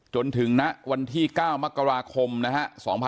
จนถึงนะวันที่๙มกราคมนะฮะ๒๕๖๔